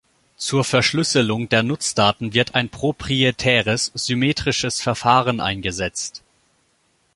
Zur Verschlüsselung der Nutzdaten wird ein proprietäres, symmetrisches Verfahren eingesetzt.